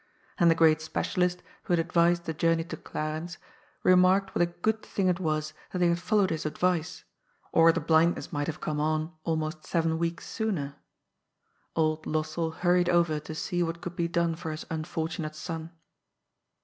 And the great specialist who had advised the journey to Glarens remarked what a good thing it was that they had followed his advice, or the blindness might have come on almost seven weeks sooner. Old Lossell hur ried over to see what could be done for his unfortunate son.